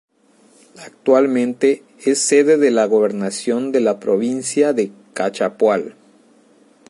Actualmente es sede de la gobernación de la provincia de Cachapoal.